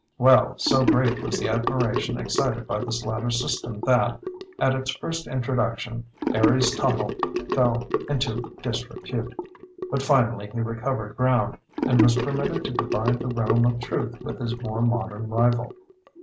Well, so great was the admiration excited by this latter system that, at its first introduction, Aries Tottle fell into disrepute; but finally he recovered ground and was permitted to divide the realm of Truth with his more modern rival.